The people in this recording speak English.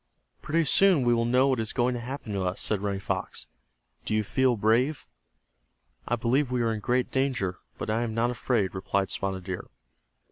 "Pretty soon we will know what is going to happen to us," said Running Fox. "Do you feel brave?" "I believe we are in great danger, but I am not afraid," replied Spotted Deer.